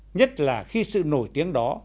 nhất là khi sự nổi tiếng đó